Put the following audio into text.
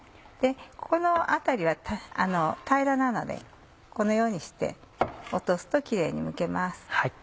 ここの辺りは平らなのでこのようにして落とすとキレイにむけます。